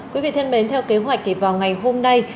quý vị thân mến theo kế hoạch thì vào ngày hôm nay